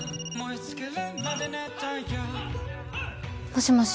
もしもし。